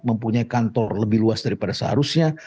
mempunyai kantor lebih luas daripada seharusnya